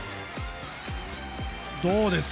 どうです？